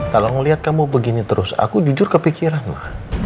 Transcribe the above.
kalau ngeliat kamu begini terus aku jujur kepikiran lah